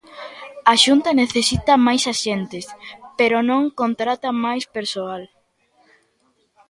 A Xunta necesita máis axentes, pero non contrata máis persoal.